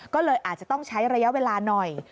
ก็เลยอาจจะต้องใช้ระยะเวลาหน่อย